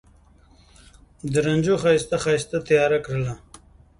د رنجو ښایسته، ښایسته تیاره کرله